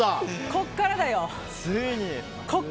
ここからだよ！